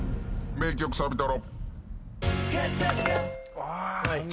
名曲サビトロ。